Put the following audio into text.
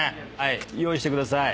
用意してください。